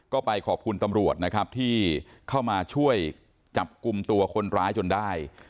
ก็ไปขอบคุณตำรวจนะครับที่เข้ามาช่วยจับกลุ่มตัวคนร้ายจนได้